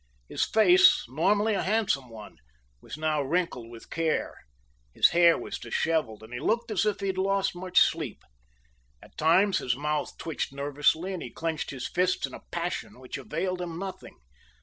His face, normally a handsome one, was now wrinkled with care, his hair was disheveled, and he looked as if he had lost much sleep. At times his mouth twitched nervously and he clenched his fists in a passion which availed him nothing.